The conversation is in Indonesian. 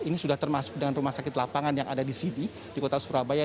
ini sudah termasuk dengan rumah sakit lapangan yang ada di sidi di kota surabaya